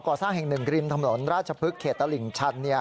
สร้างแห่งหนึ่งริมถนนราชพฤกษเขตตลิ่งชัน